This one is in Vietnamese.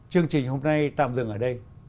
chương trình hôm nay tạm dừng ở đây